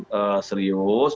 ada pembicaraan serius